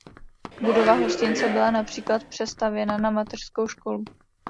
Budova hostince byla například přestavěna na mateřskou školu.